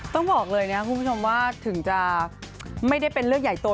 ต้องบอกเลยนะคุณผู้ชมว่าถึงจะไม่ได้เป็นเรื่องใหญ่โต